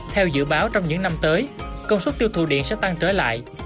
theo dự báo trong những năm tới công suất tiêu thụ điện sẽ tăng trở lại